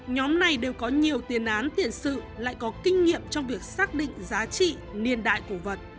nhóm này đều có nhiều tiền án tiền sự lại có kinh nghiệm trong việc xác định giá trị niên đại cổ vật